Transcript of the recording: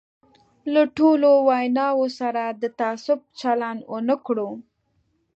له ټولو ویناوو سره د تعصب چلند ونه کړو.